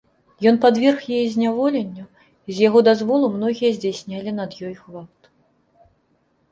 Ён падверг яе зняволенню, і з яго дазволу многія здзяйснялі над ёй гвалт.